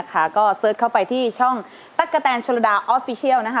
ก็เสิร์ชเข้าไปที่ช่องตั๊กกะแตนโชลดาออฟฟิเชียลนะคะ